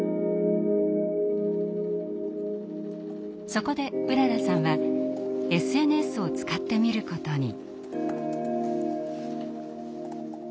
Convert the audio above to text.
そこでうららさんはＳＮＳを使ってみることに。